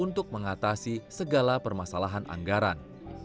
untuk mengatasi segala permasalahan anggaran